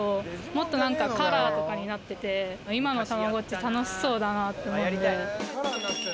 もっとなんかカラーとかになってて、今のたまごっち、楽しそうだなと思うんで。